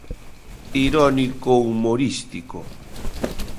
Irónico-humorístico.